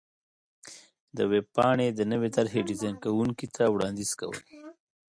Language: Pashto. -د ویبپاڼې د نوې طر حې ډېزان کوونکي ته وړاندیز کو ل